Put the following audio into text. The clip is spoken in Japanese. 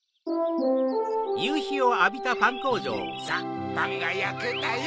さぁパンがやけたよ。